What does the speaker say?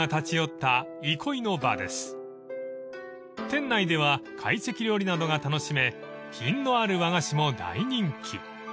［店内では会席料理などが楽しめ品のある和菓子も大人気］